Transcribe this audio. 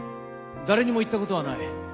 誰にも言ったことはない。